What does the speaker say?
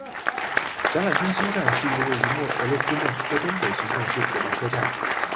展览中心站是一个位于俄罗斯莫斯科东北行政区的铁路车站。